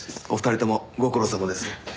お二人ともご苦労さまです。